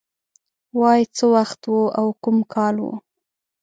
وای څه وخت و او کوم کوم کال و